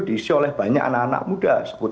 diisi oleh banyak anak anak muda